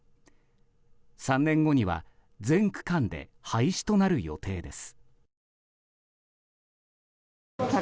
３年後には全区間で廃止となる予定です。